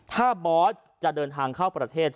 ถ้าบอสจะเดินทางเข้าประเทศ